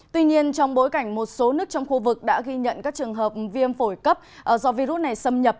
tuy nhiên trong bối cảnh một số nước trong khu vực đã ghi nhận các trường hợp viêm phổi cấp do virus này xâm nhập